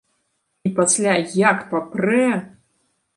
І пасля як папрэ!